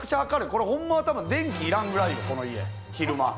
これホンマは多分電気いらんぐらいよこの家昼間。